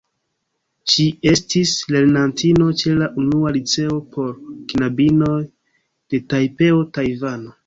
Ŝi estis lernantino ĉe la Unua Liceo por Knabinoj de Tajpeo, Tajvano.